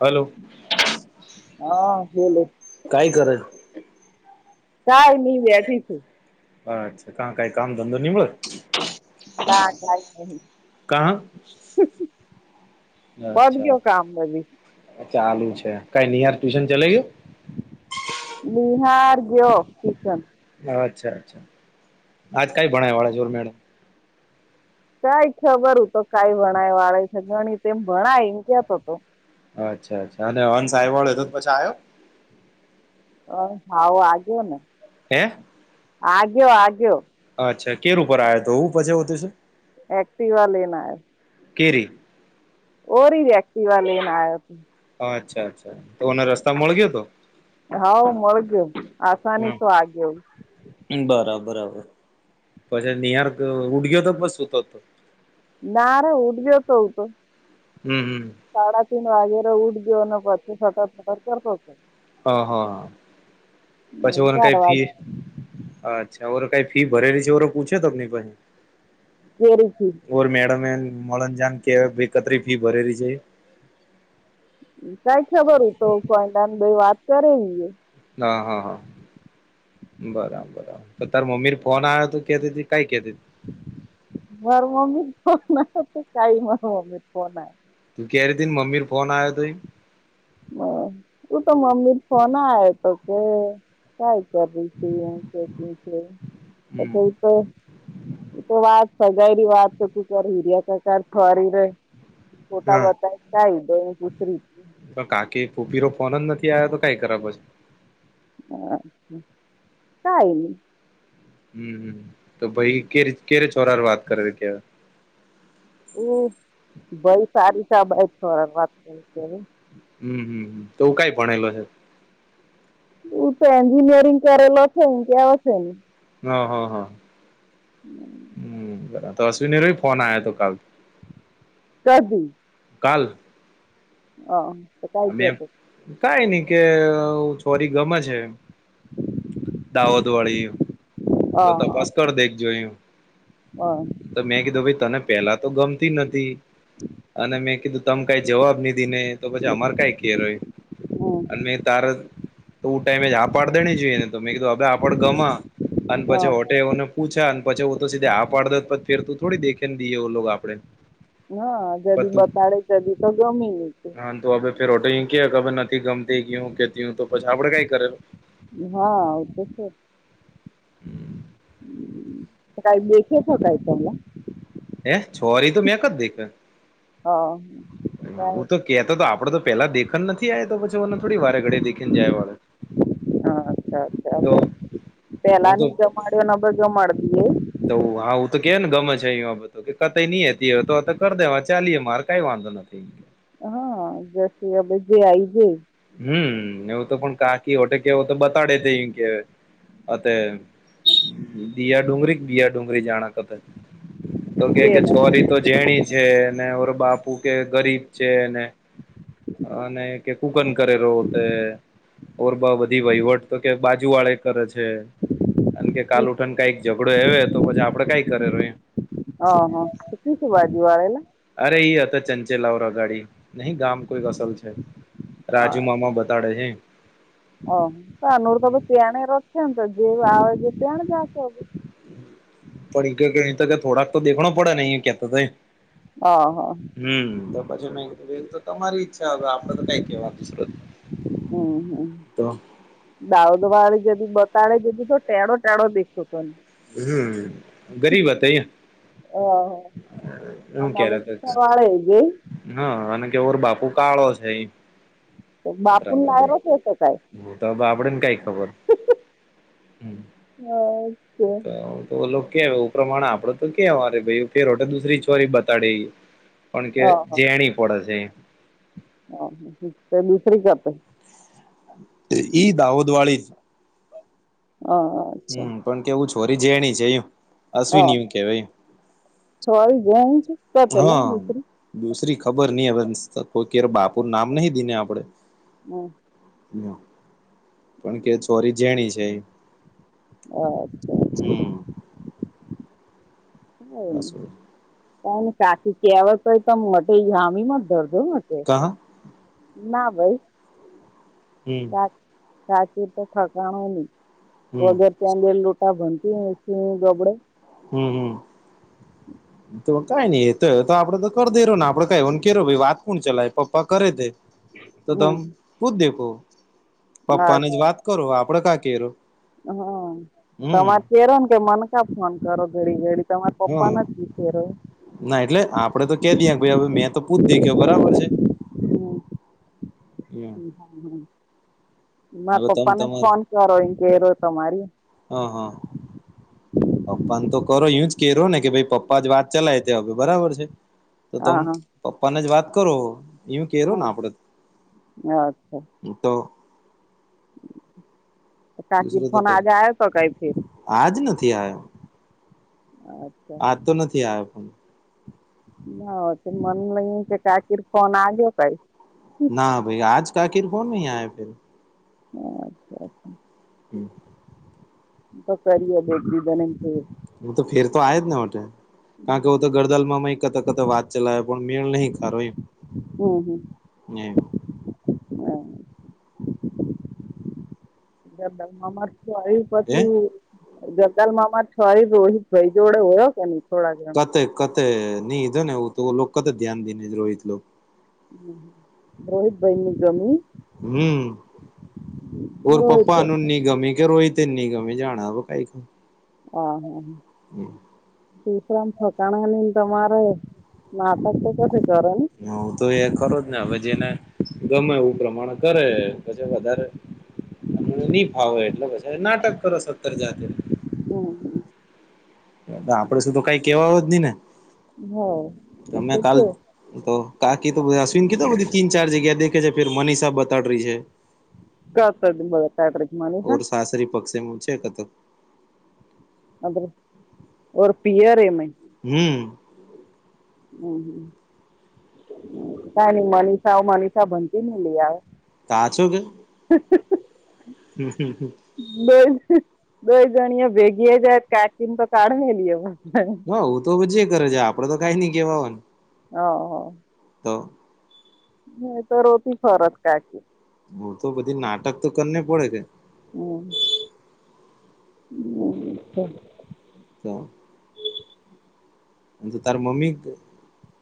Hello. હા બોલ કઈ કરે? કાઈ ની બેઠી છું. અચ્છા કા કઈ કામ ધંધો નિમળ? ના કઈ નહી કા અચ્છા ગયો કામ બધી ચાલુ છે કઈ નિહાર ટ્યુશન ચલા ગું? બહાર ગ્યો ટુશન અચ્છા અચ્છા આજ કઈ ભણાય વાળા જોર મેડમ કઈ ખબર હ તો કઈ ભણાય વાળે છે ગણી તે એમ ભણાય એમ કેતો તો અચ્છા અચ્છા અને હન સાહેબ વાળો એ હતો પછી આવ્યો? અ હાવ આજે ને? હે? આગ્યો આગ્યો અચ્છા કેર ઉપર આવ્યો હતો એવું પછવત એક્ટિવા લઈને કેરી? ઓ રી એકટીવા લને આ યો અચ્છા અચ્છા તોને રસ્તા મળ ગયો હતો? હા મળ ગયો આસાની હમ. તો આગવું બરાબર બરાબર પછી નિહાર ઉડ ગયો તો પણ સુતો હતો? ના ર ઉઠ ગયો તો એતો હમ હમ સાડા તન વાગેરે ઉઠ દવનો પછી ફટત ફટત કરતો હ હા હા પછી ઓને ચાર કઈ ફી? વાગે અચ્છા ઓરે કઈ ફી ભરેલી છે ઓરો પૂછે તો કોઈ? કર છલ [inaudible] ઓર મેડમ મરન જામ કે બે કતરી ફી ભરે રહી છે? સાઈ ખબર હય તો કોઈનાન ભાઈ વાત કરે ઈ હ હા હા બરાબરાબર તો ત મમ્મીર ફોન આવે હતો કેતી કઈ કેતી? માર મમ્મી ફોન ના તો કઈ માર મમ્મી ફોન? તું કહે રહી હતીને મમીર ફોનયો તઈ? બ હું તો મમ્મી ફોન આવે તો કે ક? કર છે કેક પછ તો હમ [inaudible] તું તો વાત સગાયની વાત તો તું કર હીર્યા કાકાર થઠરી રે છોટા હા બતા શહીદો દુસરી [inaudible] કાકી ફૂપીરો ફોન જ નથી આવ્યો તો કઈ ખરા બસ અચછા કઈલી હમ તો ભાઈ કે કે્યારે છોરા ર વાત કર કેવા હ ભાઈ સારી સાબ થ વાત કરી છે હમ હમ તોું કઈ ભણેલો છે હું તો એન્જિનિયરિંગ કરેલો છે ને કેવા છે ને હ હા હા હમ બરા તો અશ્વિનીરો ફોન આવ હતો કાલ કાલ અ તો કઈ મેં છેત કઈ નઈ કે ચોરી ગમે છે દાહોદવાળી તો તપાસ કર દેખજો એું હા તો મેં કીધું ભાઈ તને પેલા તો ગમતી નથી અને મેં કીધું તમે કઈ જવાબ નધી ને તો પછી અમાર કઈ કેર હોય હમ અને તારા તો ટાઈમે આપડ દણી જોઈએને તો મેં કીધું હ આપડ ગમા અને પછી હા હોટેવને પૂછા અને પછી તો સીધ આપા પાડોછેર ત થોડી દેખેને દઈએ આપડે ના પર જદી તું બતાડે તદી તો ગમી જ છે હા તો હવે ફેર ઓટો ક કે હ નથી ગમતીું કેતી તોછી આપડે કઈ કરેલું હા તો છે હમ કઈ બેેખ હોતાય તમ [unintelligible] એ છોરી તો મેંક જ દેખ [inaudible] [unintelligible] હટ કે તો તો આપડે તો પેલા દેખન નથી આ તો પછી મને થોડી વારે ઘડી દેખીને જાય વાળે અચ્છા અચ્છા તો હ પેલા હું તો ની જમાડને જમાડતી એ તો હા હું તો કે ને ગમે છે અં બાતો કે કઈ નઈ હતી તો તો કર દે ચાએ મારે કઈ વાંધો [unintelligible] [inaudible] નથી હા જશ હવે જે આઈ જ હમ એવું તો પણ કાકી હોટે કેવ તો બતાડે તે એ કે [unintelligible] [inaudible] અ બીયા ડુંગરી બીયા ડુંગરી જાણા કતે તો કે કે ને. ચોરી તો જેણી જ છે ને ઓ બાપુ કે ગરીબ છે ને અને કૂકન કરેલો તે ઓર બધી વહીવટ તો કે બાજુ વાળે કરે છે કારણ કે કાલ ઉઠન કઈક ઝઘડો હ તો પછી આપડે કઈ કરે ઓહ કી થ વાજવાે ના અરે ઈ હતા ચંચેલાવરા ગાડી નહી ગામ કોઈક અસલ છે રાજુ મામા બતાડે છે ઓો તો આ નરું તમે પેંણી રખને તો જે આ જે પંણી જા હો પડી અહી ત થોડા તો દેખણ પડ નહીં કેતા થ હ હા હમ તો પછી મેંધ તો તમારી ઈચ્છા હ આપડે તો કઈ કેવા દસરો હમ હમ દાઉદ વાળે જદી બતાળે જદી તો ટેણો ટાણો દેસો તને હમ ગરીબ હતા હ એું અને હવે કે્યારે સવાળે જઈ હા અને કે ઓર બાપુ કાળો છે એ તો બાપુું ના રસ તો કાય હ તો આપડેને કઈ ખબર હ હાચ તો કે એ પ્રમાણે આપડે તો કેવા ભાઈ કેે રોટે દુસરી છોરી બતાડે પણ કે હ જેણી પડે છે હ હ હ તે દુસરી [inaudible] તે એઈ દાહોદ વાડી. હા, હા. હમ્મ, પણ કેવું છોરી જેણી છે એ હ અસવીન એવુ કેવાય. છોરી જૈન છે. તો પેલા હા, દુસરી દુસરી ખબર નહ હવે કોઈ કે બાપુ નામ નહિ દીને આપડે. હા. હા, પણ કે છોરી જેણી છે એ. હા, અચ્છા અચ્છા. હાસું. કને કાકી કહેવય તોય તો મો ગામીમાં જ દરજો કહા [inaudible] ના ભાઈ હમ સા-સાચું તો ઠેકાણું નહી. હમ વગર ત્યાં લ લોટા ભનતી મશીની ગબડે. હમ્મ, હમ્મ. તો કાઈ નઈ એ તો તો આપડે તો કર દે ને આપડે કઈવને કે ભાઈ વાત કોણ ચલાય પપ્પા કરે તે તો તમ હમ પૂચ દેખો પપ્પા ને જ હા વાત કરો આપડે કા કેરો. હા, હમ તમાર કેરન કે મનકા ફોન કરો ઘરી ઘડી. તમારા પપ્પા હમ ના જ વિસે રહે. ના એટલે આપડે તો ક દઈ ભાઈ હવે મે તો પુ જ દેખ્યો બરાબર છે હ. હા, હા. માર તમ પપ્પાને જ તમાર ફોન કરો એ કે તમારી હા, હા. પપ્પાને તો કરો યું જ કેરો ને કે ભાઈ પપ્પા જ વાત ચલાય તે હવે બરાબર છે. તો તમ હા હા પપ્પા ને જ વાત કરો એઊં કૈરુ ને આપડે તો. હા અચ્છા હું તો સાકીર દુસરો તો ફોન કઈ આજે આયો તો કઈ થિયું આજ નથી આવ્યો અહ. આજ તો નથી આયો ફોન. ના તે માન લઈ કે કકીર ફોન આ ગ્યો કઈ. ના ભાઈ આજ કાકીર ફોન આયો ફિર. અચ્છા હમ્મ. તો સરી એ બેટરી બને છે. હું તો ફેર તો આયો જ હોટે કારણ કે હું તો ગરદલમાં એક કતા કતા વાત ચલાવે પણ મેળ નહીં ખરો એ નહિ. હ [inaudible] મામા તે આવી એ પછી જંગલમાંમા છવારી રોહિત ભાઈ જોડે હોયો કે નહી થોડાક. કતે નહી ધો ને એવું તો કતે ધ્યાન દઈને રોહિત લો. રોહિત ભઈ ને ગમિયું? હમ્મ, ઔર પપ્પા હું રોહિતભાઈ નન ની. ગમી કે રોઈ તની ગમે જાના હવે કાંઈક હ હા હા. હમ્મ. શું વિશરામ થઠકાણાની તમારે નાટક તો કછી કરે નહીં. ના હું તો એ ખરો જ ને હવે જેને ગમેવું પ્રમાણે કરે પછી વધારે અને હું નહી ફાવો એટલે પછી નાટક કરો સત્તર જાતે. હમ, હમ. એ આપડે સુું તો કઈ કેવાય જ નહી ને હો એ તમે તો કાલ છે તો કાકી તો આ [unintelligible] તો તીન ચાર જગ્યા એ દેખે છે ફિર મનીષા બતાડ રહી હૈ. ક કર દે બધ ઓર [inaudible] સાસરી પક્ષેમું છે કથું. અદ્ર ઓર પીયર એમાંય હમ્મ. હમ્મ હામ કઈ નઈ મનીષાઓ મનીષા ભનતી ને લઈ આવ. કાચું કે હે, હે, હે. હામ, હામ, હામ. બોલ હું બોલ જણીએ ભેગી જત કાકીમ તો કાઢને લ્યો હા. હા હું તો મજે કરે જ આપડે તો કઈ નઈ કેહેવાય હા હા. તો. નહી તો હોતી ફરત [unintelligible] હું તો બધી નાટક તો કરને પડે કે હમ્મ અચ્છા. તો અને તો તાર મમ્મી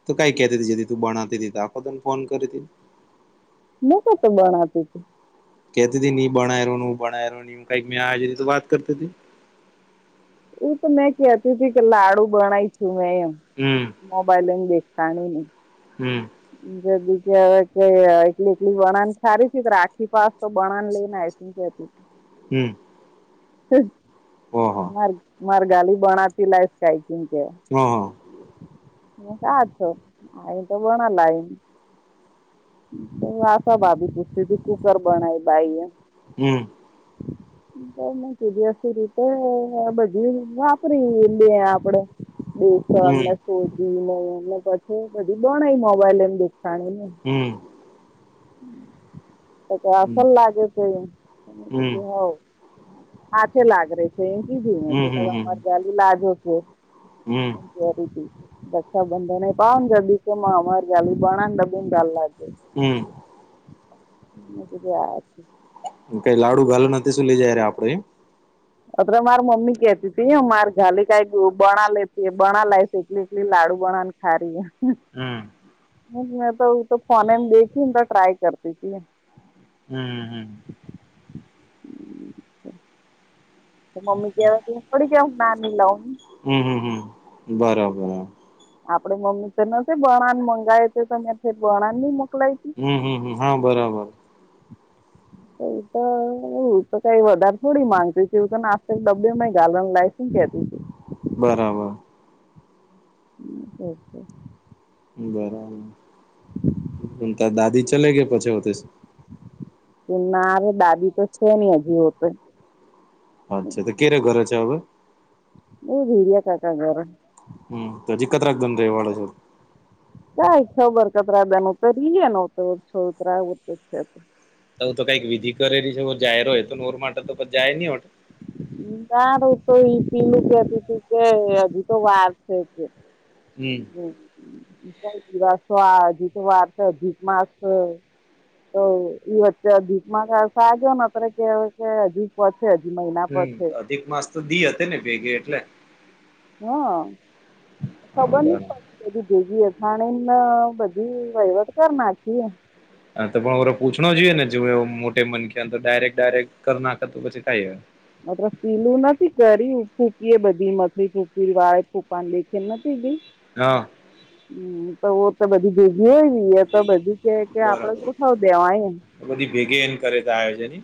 તો કઈ કેતી જે તી તું ભાનાવતી તી તો આખોતા તન ફોન કરી હતી. મે કા તો ભણાવતી હતી. કહેતી હતી નિ ભણ્યા નું ભણ્યા રહ નું કંઈ મે આ જે તું વાત કરતી હતી. એવું તો મેં કહેતી હતી કે લાડુ બનાવ્યું છું મેં એમ. હમ્મ. મોબાઈલ લઈને બેસતાણી ની હમ્મ. બા બી કેટ કે એ એટલી વણાણ સારી છે આખી પાસ તો વણાણ લઈને આ જતી તી. હમ્મ. [unintelligible] ઓ હો. માર મારગાલી બણાતી લાય સ્ઈકિંગ છે. હા. ને સાથ છો [unintelligible] લાયગી તો આશા ભાભી પૂછતી કુકર બનાવીને લાગી. હમ્મ. તો મે તે દિવસથી રીતે તો બધી વાપરી લેઈએ આપડે બેસો હમ એટલે શોધીને લઈએ ને પછી બધું બનાઇ ના મોબાઈલે દુકાને ની. હમ્મ. તો હમ [unintelligible] લાગે કે નહીં તમે હમ કીધુ હોવ આ છે લાગ્રે છે એમ કીધું તો હમ એમ હમ [unintelligible] ગલી લાગો છો. હમ હામ. જરૂરી રક્ષાબંધન એ પામ જો [unintelligible] અમારી જાલીપાણા ની ડબ્બામાં ઘાલ લાવજો. હમ્મ. ને પહેલું [unintelligible] હું કઈ લાડુ ગાલું નથી શું લઇ જ્યારે આપડે. અત્ર માર મમી કેતી હતી મારે ગાલે કા બના લેતી બના લાય એટલી એટલી લાડુ બના હરી હા. હમ્મ. મેં તો તો ફોને દેખ્યું ને તો ટ્રઇ કરતી હતી. હમ્મ હમ્મ મમી કેવાય થોડી કે ના ની લાવ ને હામ હામ હમ્મ બરોબર હો. આપડે મમ્મી તો નથી બણાન મંગાય તો તમે બણણ નહી મોકલાય હામ હામ હામ હા બરાબર. તો ઇ તો હું તો કઈ વધારે થોડી માંગતી [unintelligible] એવું તો નાસ્તાક ડબ્બેમાં ઘાલવાનું લઈ હું કહેતી હતી. બરાબર. હમ્મ ઓકે બરાબર ત દાદી ચલે ગયા પછી હોતે કે નારે દાદી તો છે [unintelligible] અચ્છા તો ક્યારે ઘરે છે અવે? [unintelligible] કાકા ઘરે હમ્મ તો પછી કતરાક દન રેવા વાળા છે કાઈ ખબર કતરા દન [unintelligible] છોકરા [unintelligible] તો કઈક વિધિ કરેલી છે જાય રહ હોય તોર માટે તોછ જાય નહી હો નારે કોઈ વિધિ ને [unintelligible] અજી તો વાર છે હમ્મ [unintelligible] અધિક માસ [unintelligible] હમ [unintelligible] અધિક માસ તો દી હતી ને ભેગી એટલે હા હા બરાબર એ ભીજી અથાણીને બધી વહીવટ કર નાખી એમ હા તો પણ ઓરે પૂછ જોઈએ ને જો મોટે મનખે તો ડાયરેક્ટ ડાયરેક કર નાખી તો પછી ક મતલબ પીલું નથી કરી ફૂકીએ બધી મથી ફૂકીવી વાય ફૂફાની દેખે નથી ગઈ હા હમ્મ તો તો બધી ભેગી હોય ય તો બધી કે કે આપડે બરાબર તોસવ દેવા એમ બધી ભેગી એને કરે તો આયોજન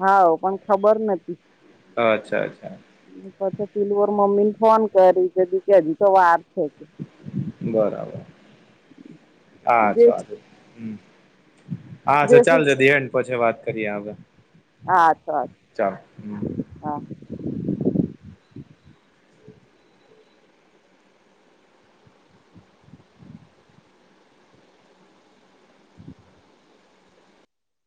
હા પણ ખબર નથી. અચ્છા અચ્છા પછી પિલર મમ્મીને ફોન કરી દીધી કે હજી તો વાર છે. કે બરાબર જે હાચું હા જે તો ચાલ શું જ દ હેડ પછી વાત કરીએ હા ચાલ ચાલ હમ હા [inaudible] [unintelligible]